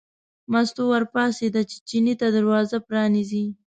مستو ور پاڅېده چې چیني ته دروازه پرانیزي.